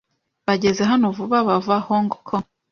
Bageze hano vuba bava Hong Kong.